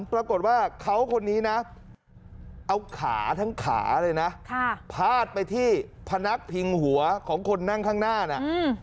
ปรากฏว่าเขาคนนี้นะเอาขาทั้งขาเลยนะพาดไปที่พนักพิงหัวของคนนั่งข้างหน้าน่ะ